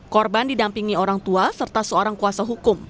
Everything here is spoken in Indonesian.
korban didampingi orang tua serta seorang kuasa hukum